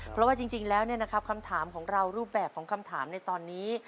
เพราะว่าจริงแล้วคำถามของเรารูปแบบของคำถามในตอนนี้